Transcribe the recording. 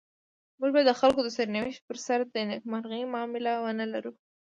موږ به د خلکو د سرنوشت پر سر د نيکمرغۍ معامله ونلرو.